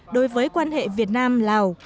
đối với quan hệ việt nam lào